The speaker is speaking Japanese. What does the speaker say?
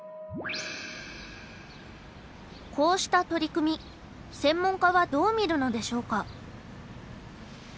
こうした取り組み専門家はどう見るのでしょうか。